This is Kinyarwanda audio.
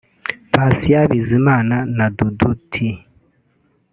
Patient Bizimana na Dudu T